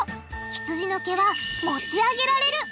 ひつじの毛は持ち上げられる。